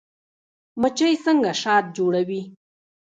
مچۍ څنګه شات جوړوي؟